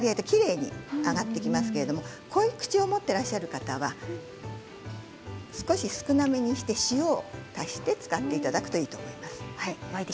きれいにあがってきますけど濃口を持っていらっしゃる方は少し少なめにして少し塩を足して使っていただくといいと思います。